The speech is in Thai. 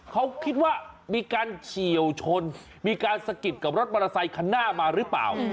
เขาคิดว่ามีการเฉียวชนมีการสะกิดกับรถมอเตอร์ไซคันหน้ามาหรือเปล่า